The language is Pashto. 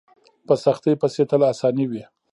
په سختۍ پسې تل اساني وي.